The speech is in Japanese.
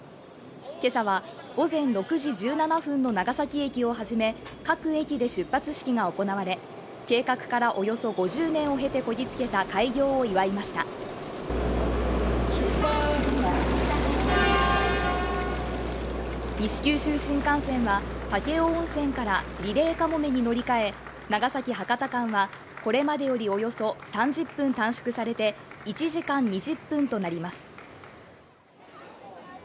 今朝は午前６時１７分の長崎駅をはじめ各駅で出発式が行われ計画からおよそ５０年を経てこぎつけた開業を祝いました新幹線は武雄温泉からリレーかもめに乗り換え長崎−博多間はこれまでよりおよそ３０分短縮されて１時間２０分となります